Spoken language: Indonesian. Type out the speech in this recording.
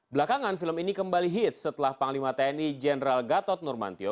belakangan film ini kembali hits setelah panglima tni jenderal gatot nurmantio